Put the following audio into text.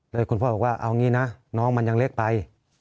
แล้วคุณพ่อบอกว่าเอางี้นะน้องมันยังเล็กไป